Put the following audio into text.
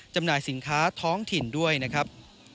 จำหน่ายสินค้าท้องถิ่นด้วยนะครับ